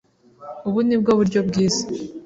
Ubu ni bwo buryo bwiza.